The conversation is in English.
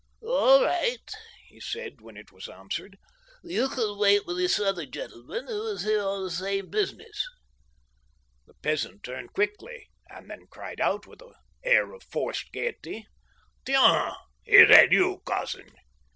All right," he said, when it was answered, " you can wait with this other gentleman, who is here on the same business." The peasant turned quickly, frowned, and then cried out, with an air of forced gayety: " Tiensl Is that you cousin